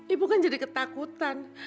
ibu kan jadi ketakutan